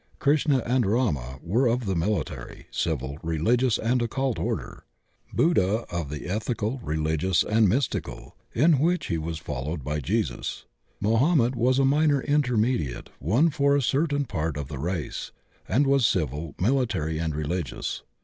Krishna and Rama were of the military, civil, religious and occult order; Buddha of the eth ical, religious and mystical, in which he was followed by Jesus; Mohammed was a minor intermediate one for a certain part of the race, and was civil, military and religious.